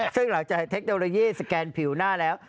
ซึ่งหลังจากเทคโนโลยีสแกนผิวหน้าแล้ว